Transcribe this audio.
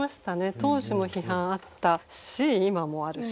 当時も批判あったし今もあるし。